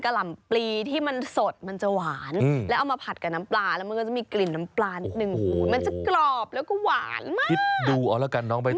กะหล่ำปลีสดจะหวานแล้วเอามาผักกับน้ำปลาแล้วมันรูมีกลลิ่นน้ำปลานิดหนึ่งมันจะกรอบมาก